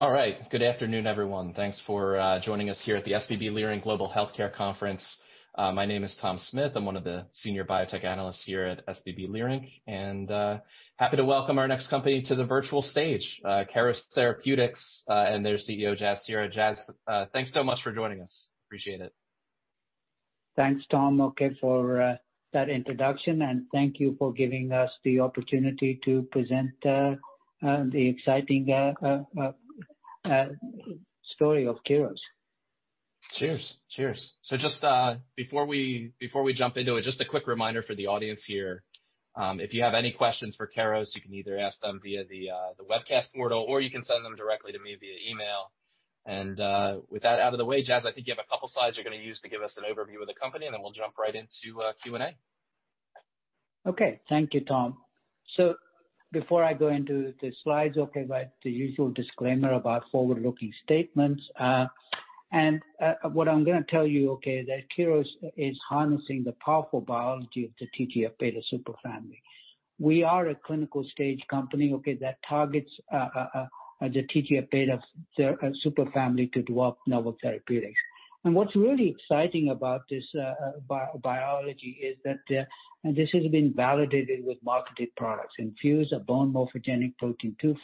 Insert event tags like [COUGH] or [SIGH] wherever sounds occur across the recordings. All right. Good afternoon, everyone. Thanks for joining us here at the SVB Leerink Global Healthcare Conference. My name is Tom Smith. I'm one of the Senior Biotech Analysts here at SVB Leerink, and happy to welcome our next company to the virtual stage, Keros Therapeutics, and their CEO, Jas Seehra. Jas, thanks so much for joining us. Appreciate it. Thanks, Tom, okay, for that introduction, and thank you for giving us the opportunity to present the exciting story of Keros. Cheers, cheers. Just before we jump into it, just a quick reminder for the audience here. If you have any questions for Keros, you can either ask them via the webcast portal, or you can send them directly to me via email. With that out of the way, Jas, I think you have a couple slides you're going to use to give us an overview of the company, and then we'll jump right into Q&A. Thank you, Tom. So, before I go into the slides, the usual disclaimer about forward-looking statements. What I'm going to tell you, that Keros is harnessing the powerful biology of the TGF-beta superfamily. We are a clinical stage company that targets the TGF-beta superfamily to develop novel therapeutics. What's really exciting about this biology is that this has been validated with marketed products, INFUSE, a bone morphogenetic protein-2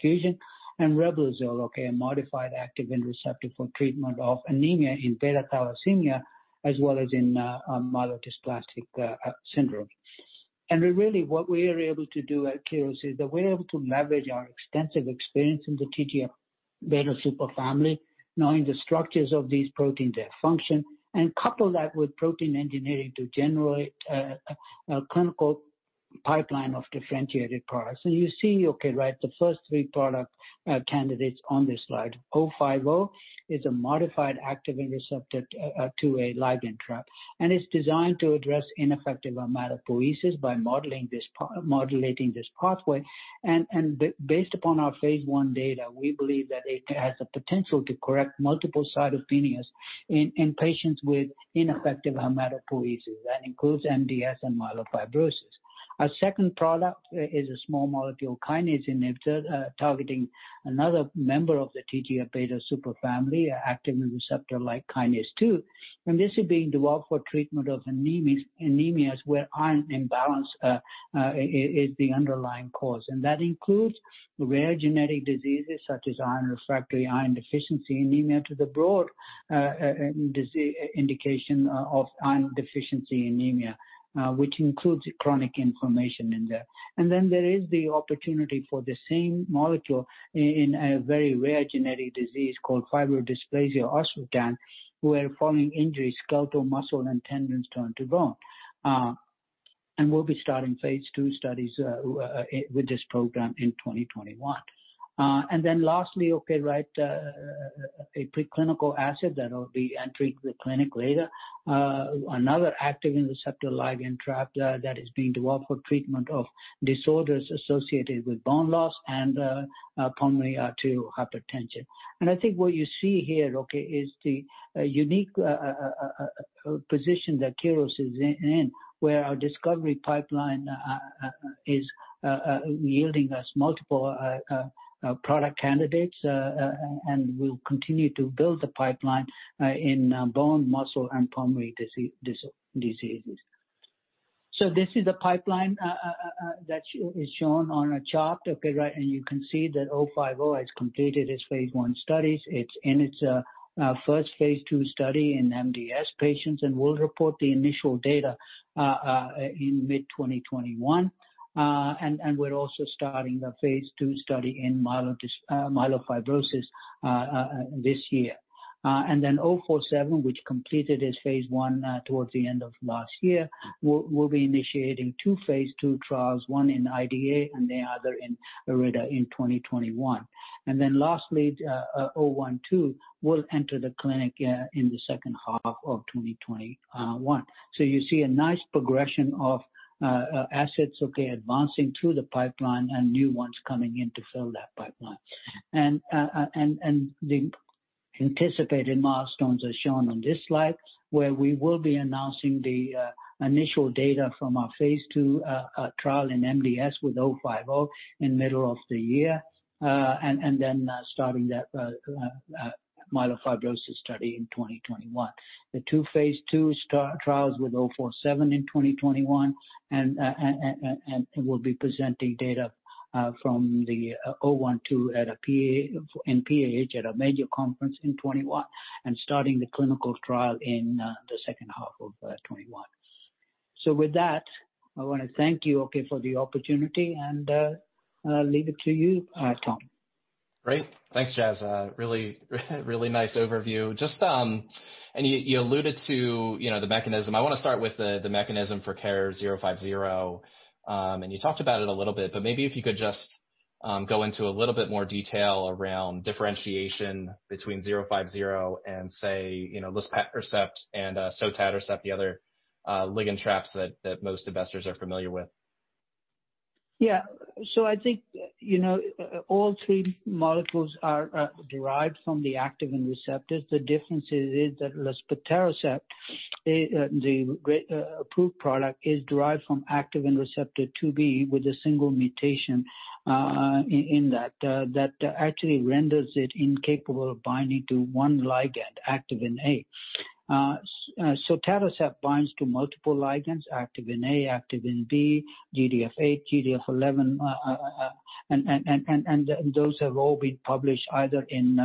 [INAUDIBLE] fusion, REBLOZYL, okay, a modified activin receptor for treatment of anemia in beta thalassemia, as well as in myelodysplastic syndrome. And really, what we are able to do at Keros is that we're able to leverage our extensive experience in the TGF-beta superfamily, knowing the structures of these proteins, their function, and couple that with protein engineering to generate a clinical pipeline of differentiated products. So you see, okay, the first three product candidates on this slide. 050 is a modified activin receptor IIA ligand trap, and it's designed to address ineffective hematopoiesis by modulating this pathway. Based upon our phase I data, we believe that it has the potential to correct multiple cytopenias in patients with ineffective hematopoiesis. That includes MDS and myelofibrosis. Our second product is a small molecule kinase inhibitor targeting another member of the TGF-beta superfamily, activin receptor-like kinase 2. This is being developed for treatment of anemias where iron imbalance is the underlying cause. That includes rare genetic diseases such as iron-refractory iron deficiency anemia, to the broad indication of iron deficiency anemia which includes chronic inflammation in there. And then, there is the opportunity for the same molecule in a very rare genetic disease called fibrodysplasia ossificans, where following injury, skeletal muscle and tendons turn to bone. We'll be starting phase II studies with this program in 2021. Then lastly, a preclinical asset that will be entering the clinic later. Another activin receptor ligand trap that is being developed for treatment of disorders associated with bone loss and pulmonary arterial hypertension. I think what you see here is the unique position that Keros is in, where our discovery pipeline is yielding us multiple product candidates and will continue to build the pipeline in bone, muscle, and pulmonary diseases. This is a pipeline that is shown on a chart, and you can see that 050 has completed its phase I studies. It's in its first phase II study in MDS patients and will report the initial data in mid 2021. We're also starting the phase II study in myelofibrosis this year. 047, which completed its phase I towards the end of last year, we'll be initiating two phase II trials, one in IDA and the other in IRIDA in 2021. Lastly, 012 will enter the clinic in the second half of 2021. You see a nice progression of assets, okay, advancing through the pipeline and new ones coming in to fill that pipeline. The anticipated milestones are shown on this slide, where we will be announcing the initial data from our phase II trial in MDS with 050 in middle of the year. Starting that myelofibrosis study in 2021. The two phase II trials with 047 in 2021 and we'll be presenting data from the 012 in PAH at a major conference in 2021 and starting the clinical trial in the second half of 2021. With that, I want to thank you, okay, for the opportunity and leave it to you, Tom. Great. Thanks, Jas. Really nice overview. You alluded to the mechanism. I want to start with the mechanism for KER-050. You talked about it a little bit, but maybe if you could just go into a little bit more detail around differentiation between KER-050 and say, luspatercept and sotatercept, the other ligand traps that most investors are familiar with. Yeah. I think all three molecules are derived from the activin receptors. The difference is that luspatercept, the approved product, is derived from activin receptor IIB with a single mutation, in that actually renders it incapable of binding to one ligand, activin A. sotatercept binds to multiple ligands, activin A, activin B, GDF8, GDF11, and those have all been published either in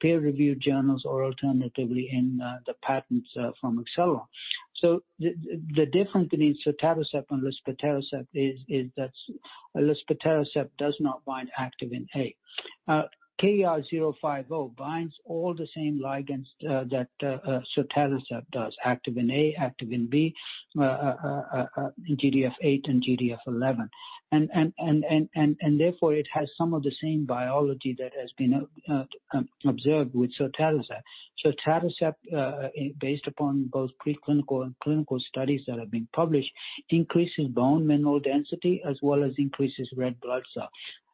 peer-reviewed journals or alternatively in the patents from Acceleron. The difference between sotatercept and luspatercept is that luspatercept does not bind activin A. KER-050 binds all the same ligands that sotatercept does, activin A, activin B, GDF8, and GDF11. And therefore, it has some of the same biology that has been observed with sotatercept. Sotatercept, based upon both preclinical and clinical studies that have been published, increases bone mineral density as well as increases red blood cells.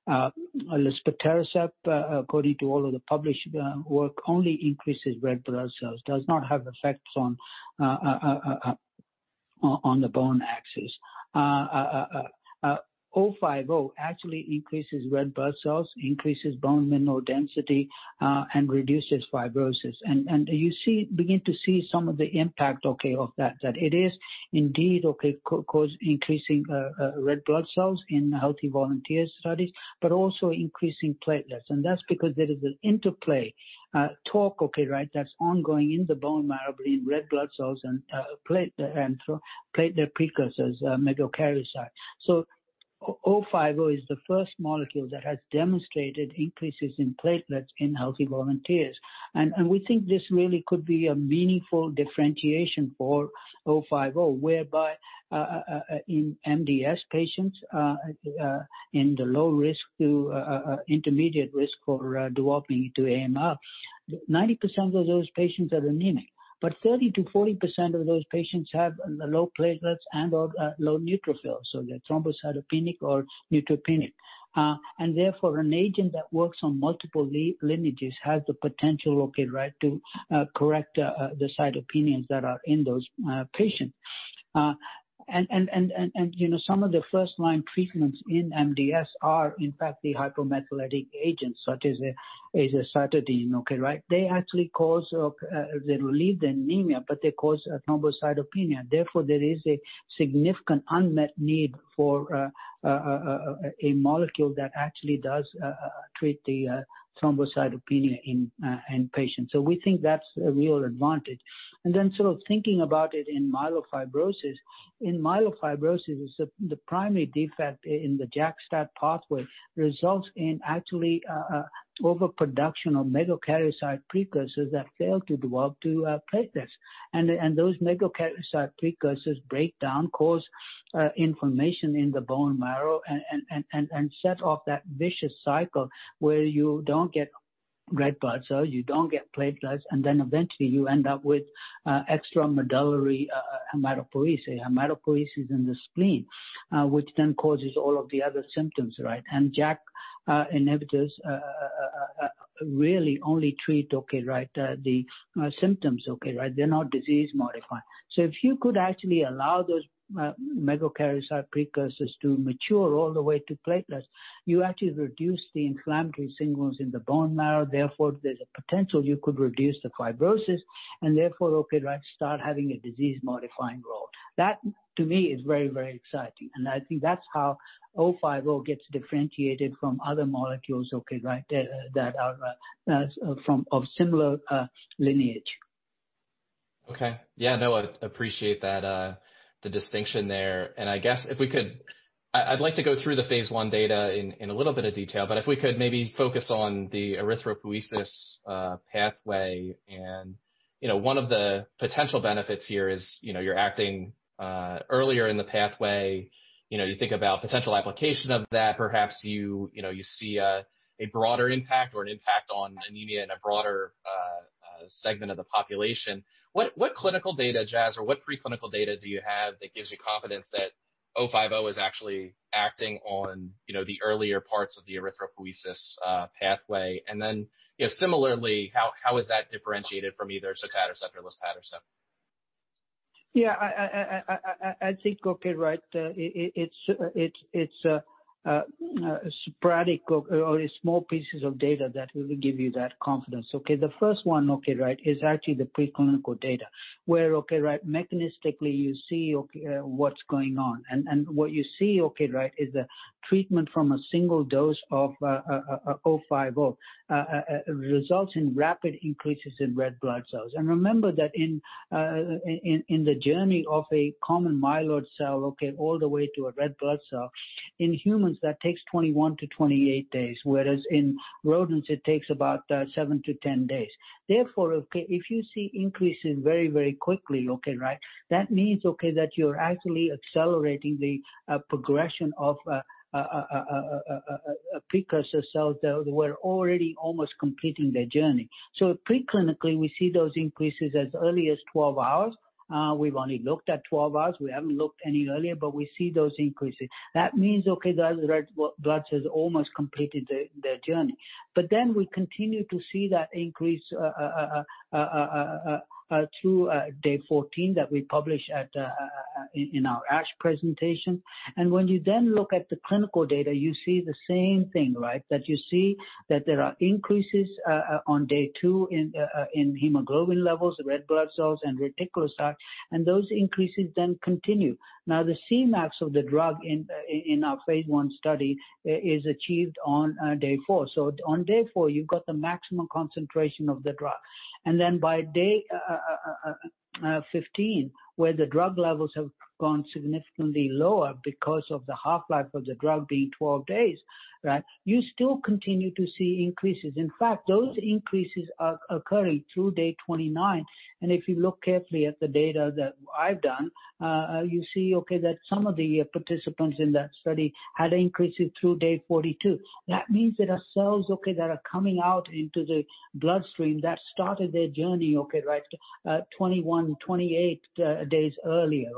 On luspatercept, according to all of the published work, only increases red blood cells, does not have effects on the bone axis. KER-050 actually increases red blood cells, increases bone mineral density, and reduces fibrosis. You begin to see some of the impact of that it is indeed increasing red blood cells in healthy volunteer studies, but also increasing platelets. That's because there is an interplay, [INAUDIBLE] okay, right, that's ongoing in the bone marrow between red blood cells and platelet precursors, megakaryocyte. So 050 is the first molecule that has demonstrated increases in platelets in healthy volunteers. And we think this really could be a meaningful differentiation for 050, whereby in MDS patients, in the low risk to intermediate risk for developing to AML, 90% of those patients are anemic. 30%-40% of those patients have low platelets and/or low neutrophils, so they're thrombocytopenic or neutropenic. And therefore, an agent that works on multiple lineages has the potential to correct the cytopenias that are in those patients. Some of the first-line treatments in MDS are in fact the hypomethylating agents, such as azacitidine. Okay, right? They actually cause—they relieve the anemia, but they cause thrombocytopenia. Therefore, there is a significant unmet need for a molecule that actually does treat the thrombocytopenia in patients. We think that's a real advantage. Thinking about it in myelofibrosis, in myelofibrosis, the primary defect in the JAK-STAT pathway results in actually overproduction of megakaryocyte precursors that fail to develop to platelets. Those megakaryocyte precursors break down, cause inflammation in the bone marrow, and set off that vicious cycle where you don't get red blood cells, you don't get platelets, and then eventually you end up with extramedullary hematopoiesis in the spleen, which then causes all of the other symptoms, right? JAK inhibitors really only treat the symptoms. They're not disease modifying. So if you could actually allow those megakaryocyte precursors to mature all the way to platelets, you actually reduce the inflammatory signals in the bone marrow. Therefore, there's a potential you could reduce the fibrosis and therefore, [INAUDIBLE] start having a disease modifying role. That to me is very, very exciting. I think that's how 050 gets differentiated from other molecules of similar lineage. Okay. Yeah, no, I appreciate the distinction there. I guess I'd like to go through the phase I data in a little bit of detail, but if we could maybe focus on the erythropoiesis pathway and one of the potential benefits here is you're acting earlier in the pathway. You think about potential application of that, perhaps you see a broader impact or an impact on anemia in a broader segment of the population. What clinical data, Jas, or what preclinical data do you have that gives you confidence that 050 is actually acting on the earlier parts of the erythropoiesis pathway? Similarly, how is that differentiated from either sotatercept or luspatercept? Yeah, I think, okay. It's sporadic or small pieces of data that will give you that confidence. The first one is actually the preclinical data, where mechanistically you see what's going on. What you see is the treatment from a single dose of 050 results in rapid increases in red blood cells. And remember that in the journey of a common myeloid progenitor all the way to a red blood cell, in humans, that takes 21-28 days, whereas in rodents, it takes about seven to 10 days. If you see increases very quickly, that means that you're actually accelerating the progression of precursor cells that were already almost completing their journey. Preclinically, we see those increases as early as 12 hours. We've only looked at 12 hours. We haven't looked any earlier, but we see those increases. That means those red blood cells almost completed their journey. But then we continue to see that increase through day 14 that we publish in our ASH presentation. When you look at the clinical data, you see the same thing, right? That you see that there are increases on day two in hemoglobin levels, red blood cells, and reticulocyte, and those increases continue. The C-max of the drug in our phase I study is achieved on day four. On day four, you've got the maximum concentration of the drug. And by day 15, where the drug levels have gone significantly lower because of the half-life of the drug being 12 days, you still continue to see increases. In fact, those increases are occurring through day 29. And if you look carefully at the data that I've done, you see that some of the participants in that study had increases through day 42. That means there are cells that are coming out into the bloodstream that started their journey 21, 28 days earlier.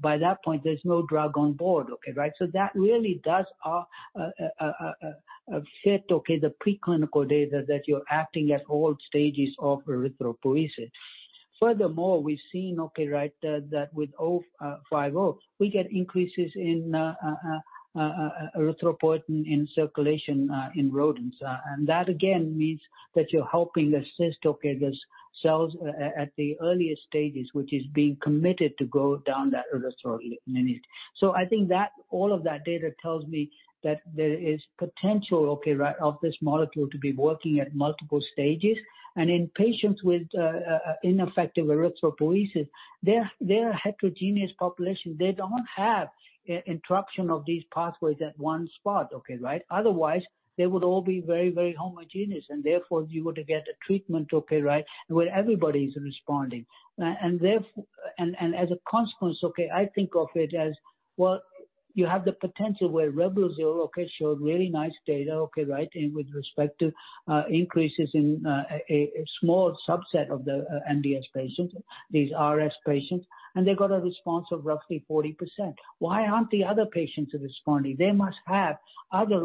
By that point, there's no drug on board. That really does fit the preclinical data that you're acting at all stages of erythropoiesis. Furthermore, we've seen that with 050, we get increases in erythropoietin in circulation, in rodents. That again means that you're helping assist those cells at the earliest stages, which is being committed to go down that erythroid lineage. I think that all of that data tells me that there is potential of this molecule to be working at multiple stages. In patients with ineffective erythropoiesis, they're a heterogeneous population. They don't have interruption of these pathways at one spot. Okay, right? Otherwise, they would all be very homogeneous, and therefore you would get a treatment, okay, right? Where everybody's responding. And therfore-- as a consequence, I think of it as, well, you have the potential where REVLIMID showed really nice data, okay, right? with respect to increases in a small subset of the MDS patients, these RS patients, and they got a response of roughly 40%. Why aren't the other patients responding? They must have other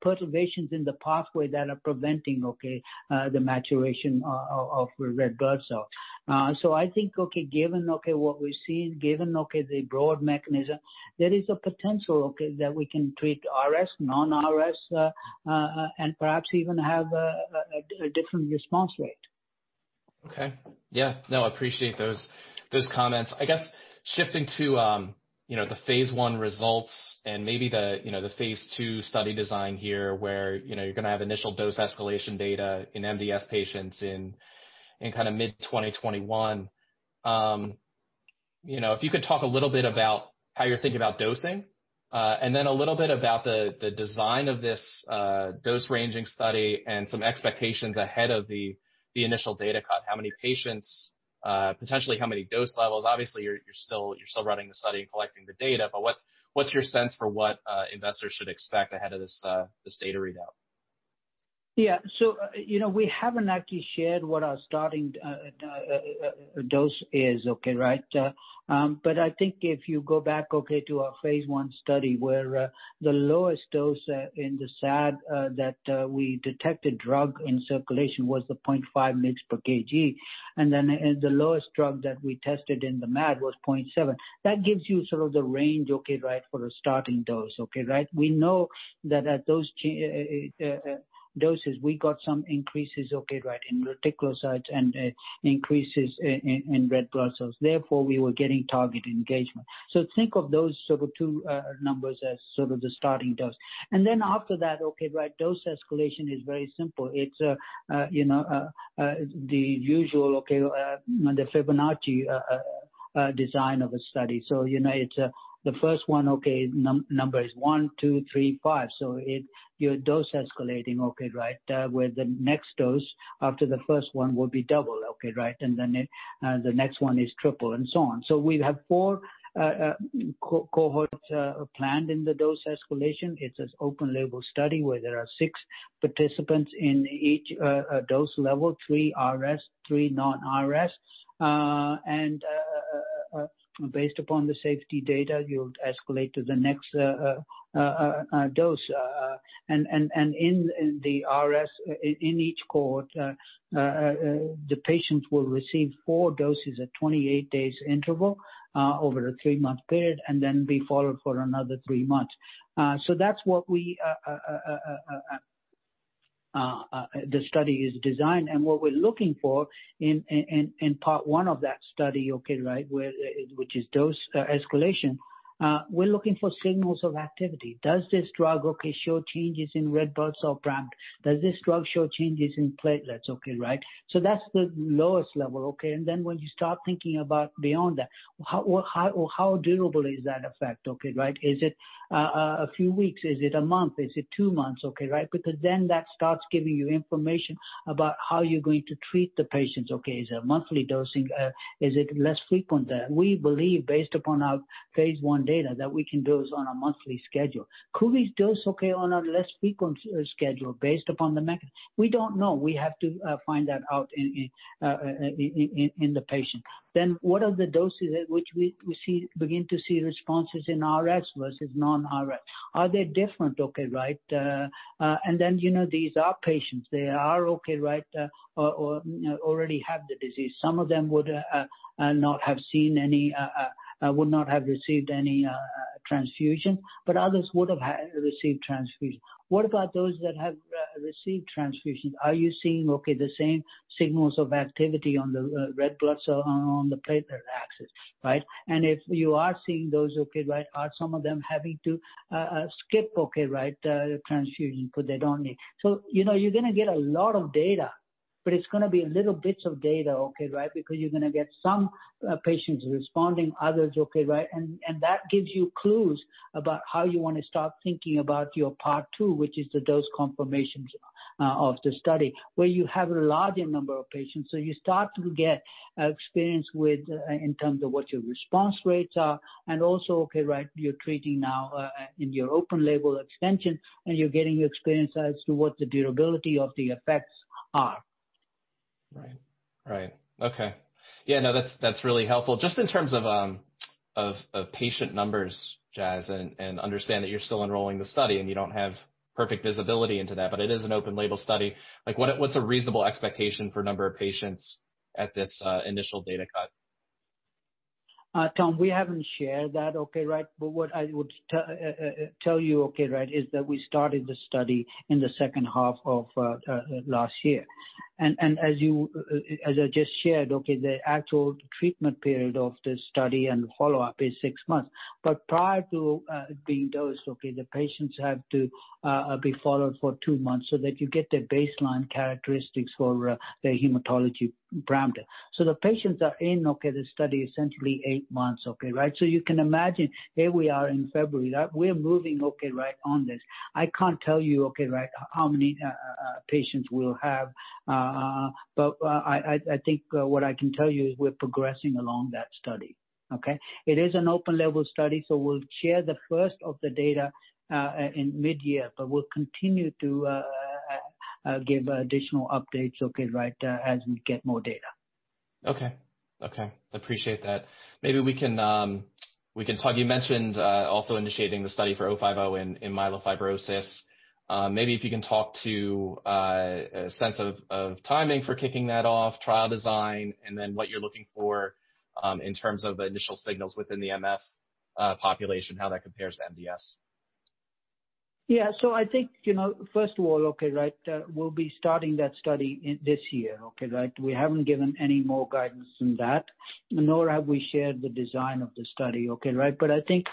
perturbations in the pathway that are preventing the maturation of a red blood cell. I think given what we've seen, given the broad mechanism, there is a potential that we can treat RS, non-RS, and perhaps even have a different response rate. Okay. Yeah. No, I appreciate those comments. I guess shifting to the phase I results and maybe the phase II study design here, where you're going to have initial dose escalation data in MDS patients in mid-2021. You know, if you could talk a little bit about how you're thinking about dosing, and then a little bit about the design of this dose-ranging study and some expectations ahead of the initial data cut. How many patients, potentially how many dose levels? Obviously, you're still running the study and collecting the data, what's your sense for what investors should expect ahead of this data readout? Yeah. So, we haven't actually shared what our starting dose is, okay, right? But I think if you go back to our phase I study where the lowest dose in the SAD that we detected drug in circulation was the 0.5 mg/kg, and then the lowest drug that we tested in the MAD was 0.7. That gives you sort of the range for the starting dose, okay, right? We know that at those doses, we got some increases, okay, right, in reticulocytes and increases in red blood cells. Therefore, we were getting target engagement. Think of those two numbers as sort of the starting dose. After that, dose escalation is very simple. It's the usual Fibonacci design of a study. The first number is one, two, three, five. You're dose escalating where the next dose after the first one will be double, okay, right? Then the next one is triple, and so on. We have four cohorts planned in the dose escalation. It's an open label study where there are six participants in each dose level, three RS, three non-RS. Based upon the safety data, you'll escalate to the next dose. And in the RS, in each cohort, the patients will receive four doses at 28 days interval over a three-month period, then be followed for another three months. That's what the study is designed, and what we're looking for in part one of that study, okay, right? Which is dose escalation. We're looking for signals of activity. Does this drug show changes in red blood cell param— does this drug show changes in platelets? Okay, right? That's the lowest level. Okay. When you start thinking about beyond that, how durable is that effect? Okay, right? Is it a few weeks? Is it a month? Is it two months? Okay, right? Because then that starts giving you information about how you're going to treat the patients. Okay, is it a monthly dosing? Is it less frequent? We believe, based upon our phase I data, that we can dose on a monthly schedule. Could we dose on a less frequent schedule based upon the mechanism? We don't know. We have to find that out in the patient. What are the doses at which we begin to see responses in RS versus non-RS? Are they different? Okay, right? These are patients. They are— okay, right, already have the disease. Some of them would not have received any transfusion, but others would have received transfusion. What about those that have received transfusions? Are you seeing, okay, the same signals of activity on the red blood cell and on the platelet axis, right? And if you are seeing those, are some of them having to skip transfusion because they don't need? You're going to get a lot of data, but it's going to be little bits of data, because you're going to get some patients responding, others. That gives you clues about how you want to start thinking about your part two, which is the dose confirmations of the study, where you have a larger number of patients. You start to get experience in terms of what your response rates are, and also, okay, right, you're treating now in your open label extension, and you're getting your experience as to what the durability of the effects are. Right. Okay. Yeah, no, that's really helpful. Just in terms of patient numbers, Jas, and understand that you're still enrolling the study and you don't have perfect visibility into that, but it is an open label study. What's a reasonable expectation for number of patients at this initial data cut? Tom, we haven't shared that, okay, right? What I would tell you is that we started the study in the second half of last year. As I just shared, the actual treatment period of the study and follow-up is six months. Prior to being dosed, the patients have to be followed for two months so that you get their baseline characteristics for their hematology parameter. The patients are in the study essentially eight months, okay, right? So, you can imagine, here we are in February. We're moving on this. I can't tell you how many patients we'll have. I think what I can tell you is we're progressing along that study. It is an open-label study, so we'll share the first of the data in mid-year, we'll continue to give additional updates as we get more data. Okay, okay. Appreciate that. Maybe we can talk— you mentioned also initiating the study for 050 in myelofibrosis. Maybe if you can talk to a sense of timing for kicking that off, trial design, and then what you're looking for in terms of initial signals within the MF population, how that compares to MDS? Yeah. So, I think, first of all, okay, right? We'll be starting that study this year. We haven't given any more guidance than that, nor have we shared the design of the study. I think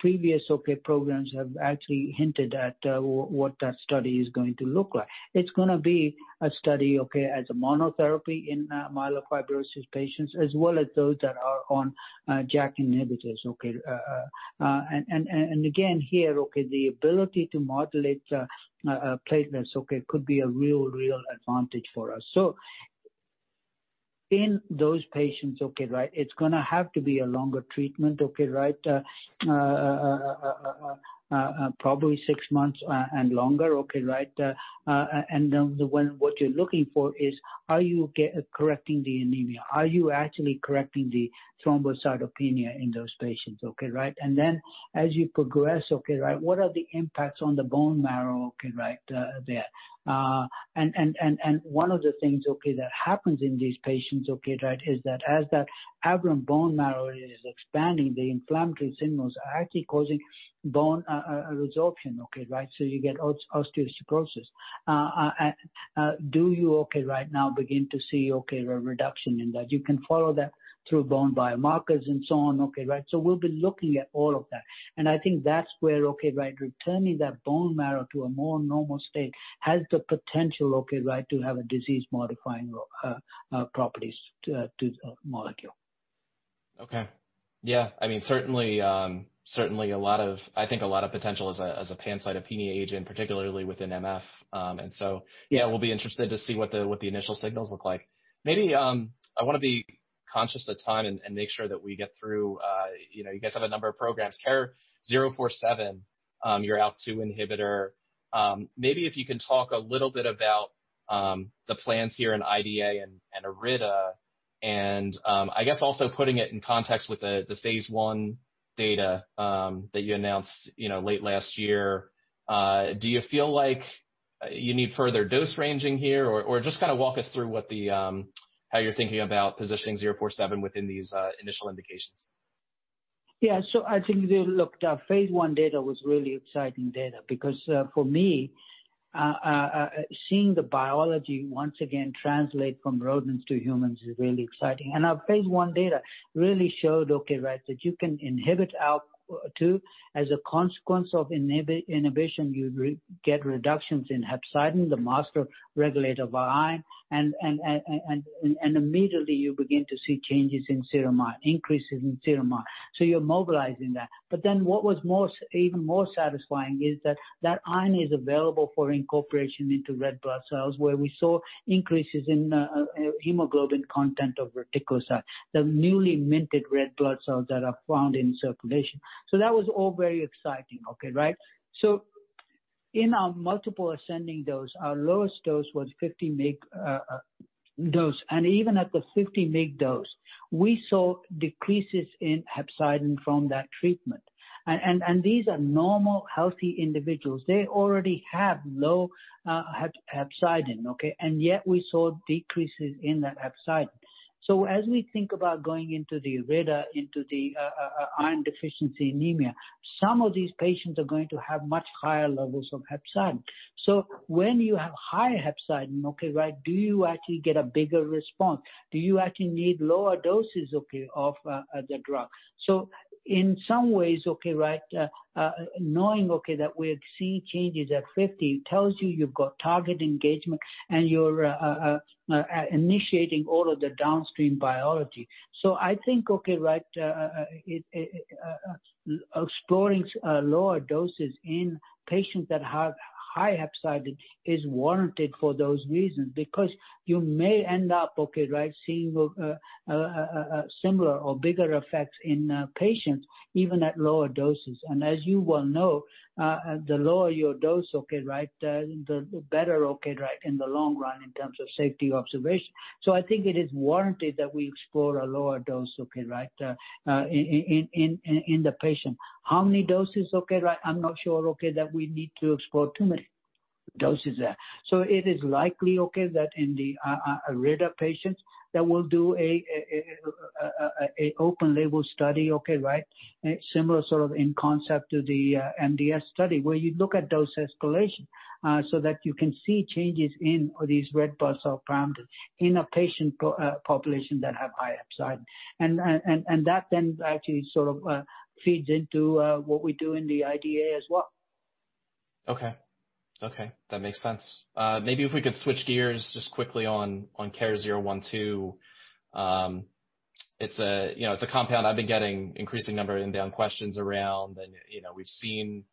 previous programs have actually hinted at what that study is going to look like. It's going to be a study as a monotherapy in myelofibrosis patients, as well as those that are on JAK inhibitors, okay? And again, here, the ability to modulate platelets could be a real advantage for us. In those patients, it's going to have to be a longer treatment, okay, right? Probably six months and longer. What you're looking for is, are you correcting the anemia? Are you actually correcting the thrombocytopenia in those patients? As you progress, what are the impacts on the bone marrow there? One of the things, okay, that happens in these patients is that as that aberrant bone marrow is expanding, the inflammatory signals are actually causing bone resorption. You get osteoporosis. Do you, okay, right, now begin to see a reduction in that? You can follow that through bone biomarkers and so on. We'll be looking at all of that. I think that's where, okay, right, returning that bone marrow to a more normal state has the potential to have disease-modifying properties to the molecule. Okay. Yeah. I mean, certainly, certainly a lot of potential as a pancytopenia agent, particularly within MF. Yeah, we'll be interested to see what the initial signals look like. Maybe I want to be conscious of time and make sure that we get through. You guys have a number of programs. KER-047 your ALK2 inhibitor. Maybe if you can talk a little bit about the plans here in IDA and IRIDA, and I guess also putting it in context with the phase I data that you announced late last year. Do you feel like you need further dose ranging here? Just walk us through how you're thinking about positioning 047 within these initial indications? Yeah. I think if you looked, our phase I data was really exciting data, because for me, seeing the biology once again translate from rodents to humans is really exciting. Our phase I data really showed, okay, right, that you can inhibit ALK2. As a consequence of inhibition, you get reductions in hepcidin, the master regulator of iron, and immediately you begin to see changes in serum iron, increases in serum iron. So you're mobilizing that. What was even more satisfying is that that iron is available for incorporation into red blood cells, where we saw increases in hemoglobin content of reticulocyte, the newly minted red blood cells that are found in circulation. That was all very exciting, okay, right? In our multiple ascending dose, our lowest dose was 50 mg dose. Even at the 50 mg dose, we saw decreases in hepcidin from that treatment. These are normal, healthy individuals. They already have low hepcidin. Yet we saw decreases in that hepcidin. As we think about going into the IRIDA, into the iron deficiency anemia, some of these patients are going to have much higher levels of hepcidin. So, when you have high hepcidin, do you actually get a bigger response? Do you actually need lower doses of the drug? In some ways, okay, right, knowing that we're seeing changes at 50 tells you you've got target engagement and you're initiating all of the downstream biology. I think, okay, right, exploring lower doses in patients that have high hepcidin is warranted for those reasons, because you may end up seeing similar or bigger effects in patients, even at lower doses. As you well know, the lower your dose, okay, right, the better in the long run in terms of safety observation. So I think it is warranted that we explore a lower dose in the patient. How many doses? I'm not sure that we need to explore too many doses there. It is likely that in the IRIDA patients that we'll do an open label study similar in concept to the MDS study, where you look at dose escalation so that you can see changes in these red blood cell parameters in a patient population that have high hepcidin. That then actually sort of feeds into what we do in the IDA as well. Okay, okay. That makes sense. Maybe if we could switch gears just quickly on KER-012. It's a compound I've been getting increasing number of inbound questions around, and we've seen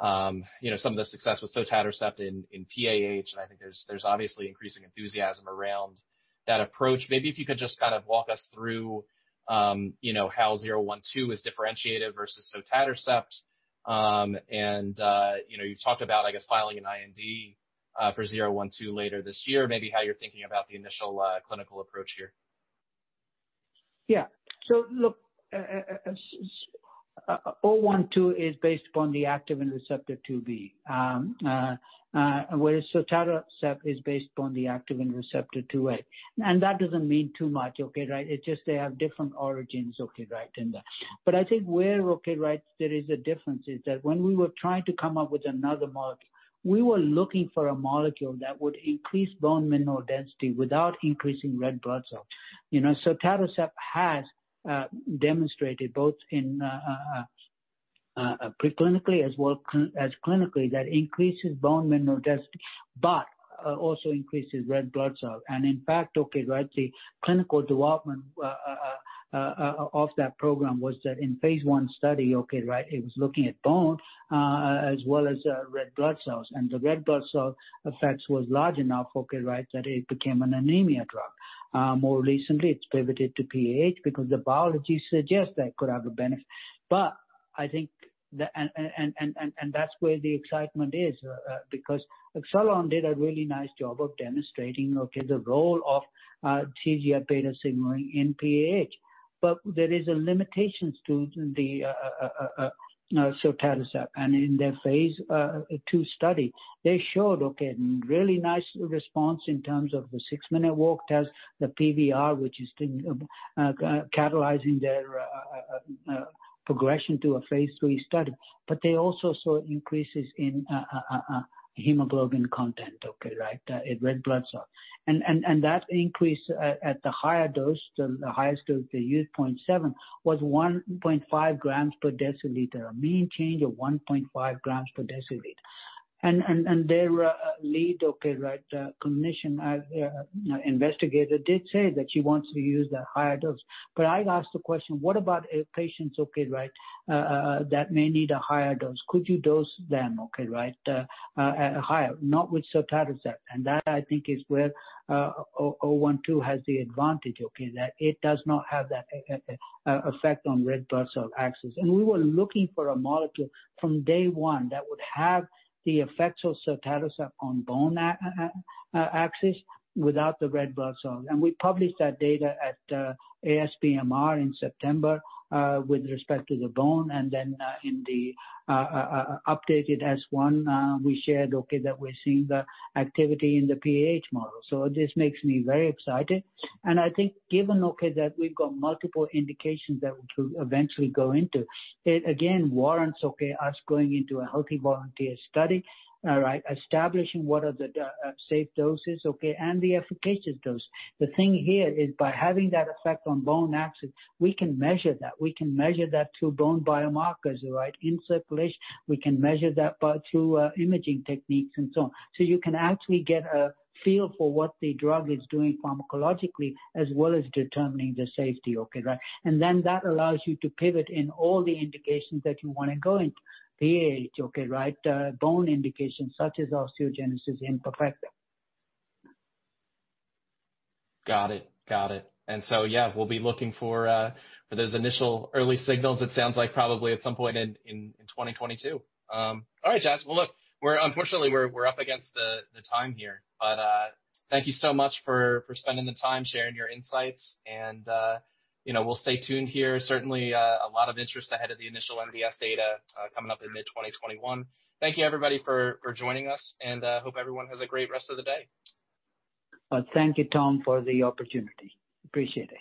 some of the success with sotatercept in PAH, and I think there's obviously increasing enthusiasm around that approach. Maybe if you could just walk us through how 012 is differentiated versus sotatercept and you've talked about, I guess, filing an IND for 012 later this year, maybe how you're thinking about the initial clinical approach here? Yeah, so, look, 012 is based upon the activin receptor IIb, whereas sotatercept is based upon the activin receptor IIA. That doesn't mean too much. It's just they have different origins in that. I think where there is a difference is that when we were trying to come up with another molecule, we were looking for a molecule that would increase bone mineral density without increasing red blood cells. Sotatercept has demonstrated both preclinically as well as clinically that increases bone mineral density, but also increases red blood cells. In fact, the clinical development of that program was that in phase I study, okay, right? It was looking at bone, as well as red blood cells. The red blood cell effects was large enough that it became an anemia drug. More recently, it's pivoted to PAH because the biology suggests that it could have a benefit. But I think that's where the excitement is, because Acceleron did a really nice job of demonstrating the role of TGF-beta signaling in PAH. There is a limitation to the sotatercept. In their phase II study, they showed really nice response in terms of the six-minute walk test, the PVR, which is catalyzing their progression to a phase III study. They also saw increases in hemoglobin content in red blood cells. That increase at the highest dose they used, 0.7, was 1.5 g per dL, a mean change of 1.5 g per dL. And their lead investigator did say that she wants to use the higher dose. I asked the question, what about patients, okay right, that may need a higher dose? Could you dose them, okay, right, higher? Not with sotatercept. That I think is where 012 has the advantage, that it does not have that effect on red blood cell axis. We were looking for a molecule from day one that would have the effects of sotatercept on bone axis without the red blood cell. We published that data at ASBMR in September with respect to the bone and then in the updated S-1, we shared that we're seeing the activity in the PAH model. This makes me very excited. And I think given that we've got multiple indications that we could eventually go into, it again warrants us going into a healthy volunteer study, establishing what are the safe doses and the efficacious dose. The thing here is by having that effect on bone axis, we can measure that. We can measure that through bone biomarkers in circulation. We can measure that through imaging techniques and so on. You can actually get a feel for what the drug is doing pharmacologically, as well as determining the safety. That allows you to pivot in all the indications that you want to go into, PAH, okay, right, bone indications such as osteogenesis imperfecta. Got it. Yeah, we'll be looking for those initial early signals, it sounds like probably at some point in 2022. All right, Jas. Well, look, unfortunately, we're up against the time here, but thank you so much for spending the time sharing your insights, and we'll stay tuned here. Certainly, a lot of interest ahead of the initial MDS data coming up in mid-2021. Thank you everybody for joining us, and hope everyone has a great rest of the day. Thank you, Tom, for the opportunity. Appreciate it.